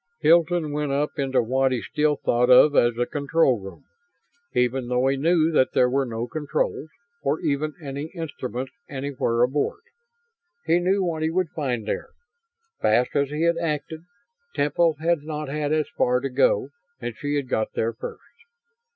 Hilton went up into what he still thought of as the "control room," even though he knew that there were no controls, nor even any instruments, anywhere aboard. He knew what he would find there. Fast as he had acted, Temple had not had as far to go and she had got there first.